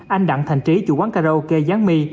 anh đặng thành trí chủ quán karaoke gián my